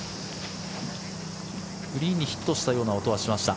グリーンにヒットしたような音はしました。